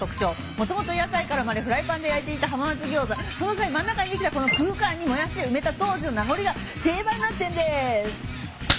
もともと屋台から生まれフライパンで焼いていた浜松餃子その際真ん中にできたこの空間にモヤシを埋めた当時の名残が定番になってるんです。